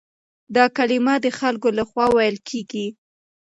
دا کلمه د خلکو له خوا ويل کېږي.